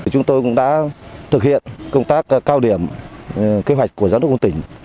chúng tôi cũng đã thực hiện công tác cao điểm kế hoạch của giám đốc quân tỉnh